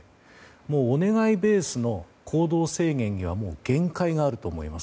もうお願いベースの行動制限には限界があると思います。